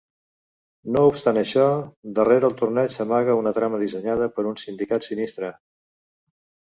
No obstant això, darrere el Torneig s'amaga una trama dissenyada per un sindicat sinistre.